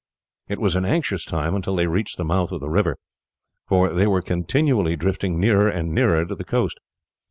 It was an anxious time until they reached the mouth of the river, for they were continually drifting nearer and nearer to the coast.